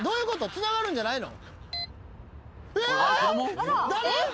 つながるんじゃないの？